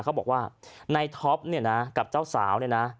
เขาบอกว่าในท็อปเนี่ยนะกับเจ้าสาวเนี่ยนะ